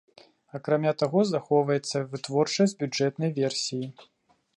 Акрамя таго, захоўваецца вытворчасць бюджэтнай версіі.